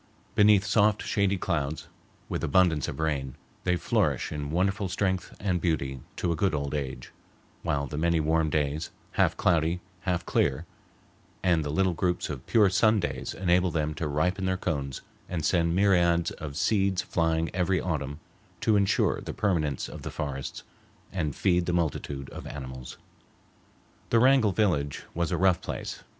Beneath soft, shady clouds, with abundance of rain, they flourish in wonderful strength and beauty to a good old age, while the many warm days, half cloudy, half clear, and the little groups of pure sun days enable them to ripen their cones and send myriads of seeds flying every autumn to insure the permanence of the forests and feed the multitude of animals. The Wrangell village was a rough place.